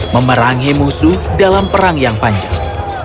memerangi musuh dalam perang yang panjang